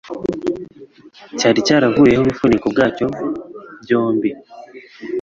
cyari cyaravuyeho ibifuniko byacyo byombi